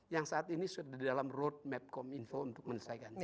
yang saat ini sudah dalam roadmap kominfo untuk menyesuaikan